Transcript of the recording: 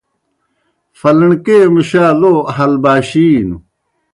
فلݨکے مُشا لو ہلباشِینوْ۔